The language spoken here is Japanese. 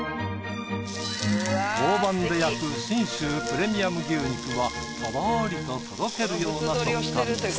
陶板で焼く信州プレミアム牛肉はとろりととろけるような食感です。